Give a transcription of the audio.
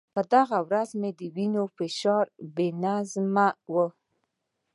په دغه ورځ مې د وینې فشار بې نظمه و.